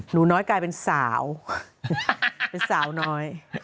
หนูน้อยกลายเป็นสาวเป็นสาวน้อย